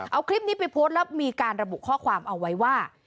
เอาคลิปนี้ไปโพสต์แล้วมีการระบุข้อความเอาไว้ว่า